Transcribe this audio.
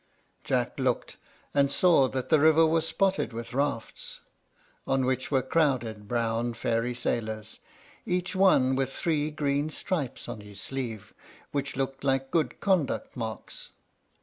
Jack looked, and saw that the river was spotted with rafts, on which were crowded brown fairy sailors, each one with three green stripes on his sleeve, which looked like good conduct marks.